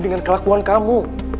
dengan kelakuan kamu